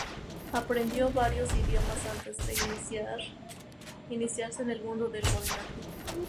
Aprendió varios idiomas antes de iniciarse en el mundo del modelaje.